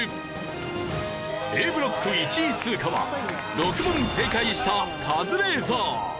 Ａブロック１位通過は６問正解したカズレーザー。